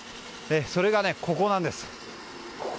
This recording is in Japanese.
それがここなんです。